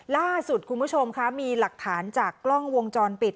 ล่าสุดมีหลักถารจากกล้องวงจรปิด